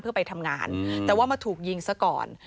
เพื่อไปทำงานแต่ว่ามาถูกยิงซะก่อน